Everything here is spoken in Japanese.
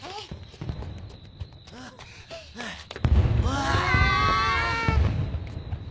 わあ！